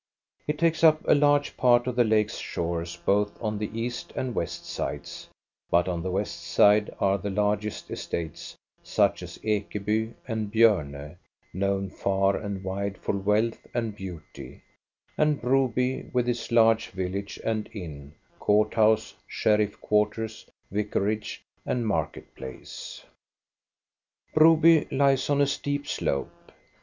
It takes up a large part of the lake's shores both on the east and west sides, but on the west side are the largest estates, such as Ekeby and Bjorne, known far and wide for wealth and beauty, and Broby, with its large village and inn, court house, sheriff quarters, vicarage, and market place. Broby lies on a steep slope.